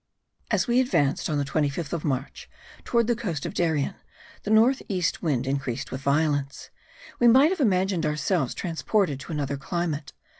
As we advanced, on the 25th of March, towards the coast of Darien, the north east wind increased with violence. We might have imagined ourselves transported to another climate.